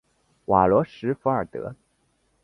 瓦罗什弗尔德。